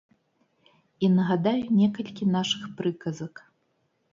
І нагадаю некалькі нашых прыказак.